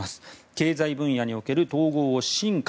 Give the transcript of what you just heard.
経済分野における統合を深化。